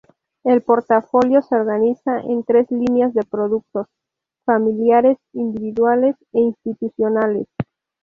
El portafolio se organiza en tres líneas de productos: Familiares, Individuales e Institucionales.